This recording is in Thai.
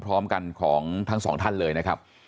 พร้อมกันของทั้งสองท่านเลยนะครับ